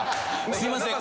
すいません。